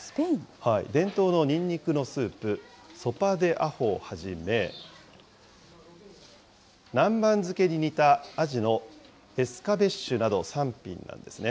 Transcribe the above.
伝統のにんにくのスープ、ソパ・デ・アホをはじめ、南蛮漬けに似たあじのエスカベッシュなど３品なんですね。